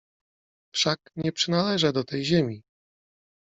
Wszak nie przynależę do tej ziemi!